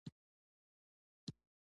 یونه دغه دې خپل قوم کې امتیازات دي.